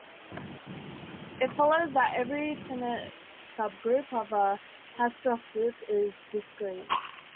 It follows that every finite subgroup of a Hausdorff group is discrete.